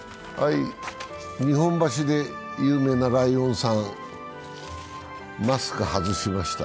日本橋はで有名なライオンさん、マスク外しました。